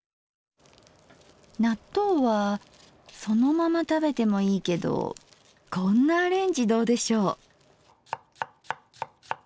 納豆はそのまま食べてもいいけどこんなアレンジどうでしょう？